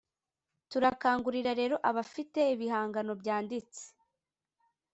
turakangurira rero abafite ibihangano byanditse,